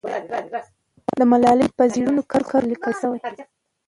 د ملالۍ نوم په زرینو کرښو لیکل سوی.